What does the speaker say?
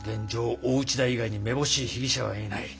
大内田以外にめぼしい被疑者はいない。